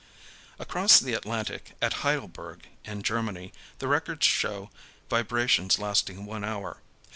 Across the Atlantic, at Heidelberg, in Germany, the records showed vibrations lasting one hour.